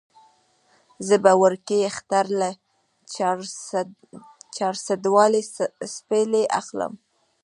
زه به وړوکي اختر له چارسدوالې څپلۍ اخلم